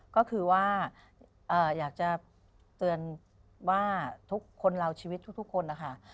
ก็คือว่าอยากจะเตือนว่าทุกคนเราชีวิตทุกคนนะคะ